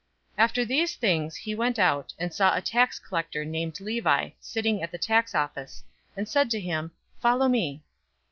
005:027 After these things he went out, and saw a tax collector named Levi sitting at the tax office, and said to him, "Follow me!"